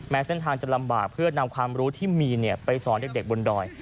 เส้นทางจะลำบากเพื่อนำความรู้ที่มีไปสอนเด็กบนดอย